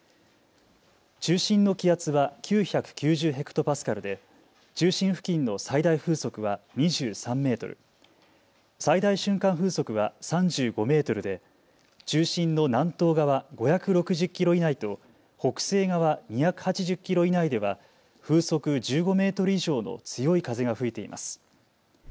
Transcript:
中心の気圧は９９０ヘクトパスカルで中心付近の最大風速は２３メートル、最大瞬間風速は３５メートルで中心の南東側５６０キロ以内と北西側２８０キロ以内では風速１５メートル以上の強い風が吹いています。